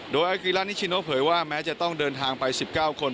โดยอากิลานิชิโนเผยว่าแม้จะต้องเดินทางไป๑๙คน